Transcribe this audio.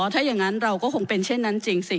ถ้าอย่างนั้นเราก็คงเป็นเช่นนั้นจริงสิ